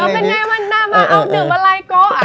เป็นไงวันหน้ามาเอาดื่มอะไรโกะ